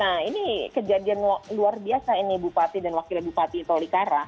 nah ini kejadian luar biasa ini bupati dan wakil bupati tolikara